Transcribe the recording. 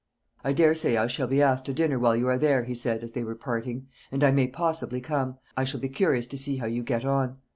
"I daresay I shall be asked to dinner while you are there," he said, as they were parting, "and I may possibly come; I shall be curious to see how you get on."